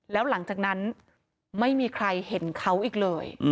แล้วหลังจากนั้นไม่มีใครเห็นเขาอีกเลย